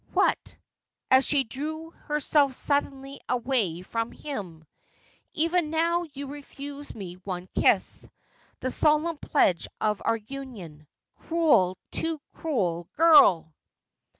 What ?' as she drew herself suddenly away from him ;' even now you refuse me one kiss — the solemn pledge of our union ; cruel, too cruel girl